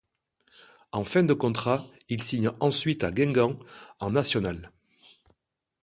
En fin de contrat, il signe ensuite à Guingamp en National.